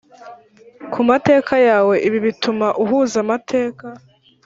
ku mateka yawe Ibi bituma uhuza amateka